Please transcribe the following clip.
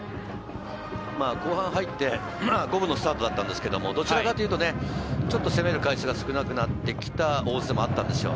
後半入って五分のスタートだったんですけど、どちらかというと、ちょっと攻める回数が少なくなってきた大津でもあったんです。